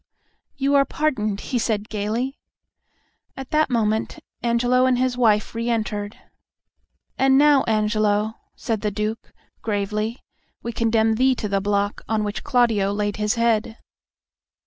"You are pardoned," he said, gaily. At that moment Angelo and his wife re entered. "And now, Angelo," said the Duke, gravely, "we condemn thee to the block on which Claudio laid his head!"